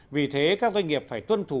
vì thế các doanh nghiệp phải tuân thủ